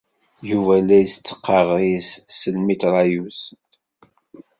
Yuba la yettqerris s tmiṭrayuzt.